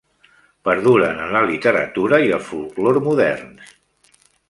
Perduren en la literatura i el folklore moderns.